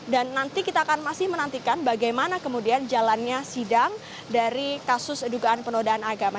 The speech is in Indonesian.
dan nanti kita akan masih menantikan bagaimana kemudian jalannya sidang dari kasus edukaan penodaan agama